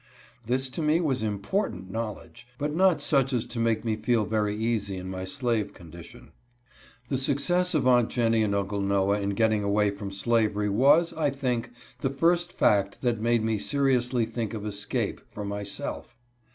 This to me was important knowledge, but not such as to make me feel very easy in my slave condition. The success of Aunt Jennie and Uncle Noah in getting away from slavery was, I think, the first fact that made me seriously think of escape for myself.